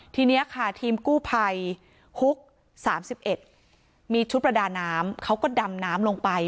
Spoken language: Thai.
ทีนี้ค่ะทีมกู้ภัยฮุก๓๑มีชุดประดาน้ำเขาก็ดำน้ำลงไป